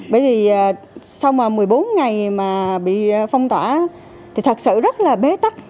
bởi vì sau mà một mươi bốn ngày mà bị phong tỏa thì thật sự rất là bế tắc